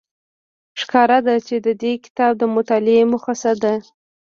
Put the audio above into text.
ښکاره ده چې د دې کتاب د مطالعې موخه څه ده.